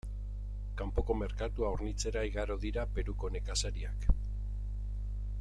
Kanpoko merkatua hornitzera igaro dira Peruko nekazariak.